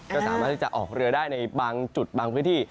ก็สามารถที่จะออกเรือได้ในบางจุดบางพื้นที่